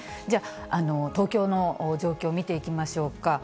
じゃあ、東京の状況を見ていきましょうか。